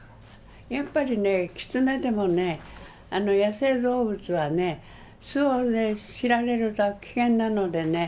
やっぱりねキツネでもね野生動物はね巣をね知られると危険なのでね